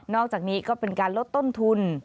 อกจากนี้ก็เป็นการลดต้นทุน